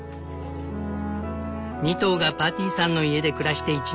２頭がパティさんの家で暮らして１年半。